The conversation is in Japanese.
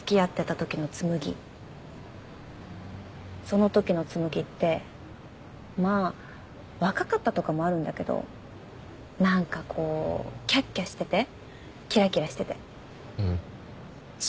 そのときの紬ってまあ若かったとかもあるんだけど何かこうキャッキャしててキラキラしてて。